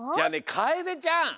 かえでちゃん